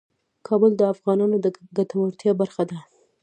کابل د افغانانو د ګټورتیا برخه ده.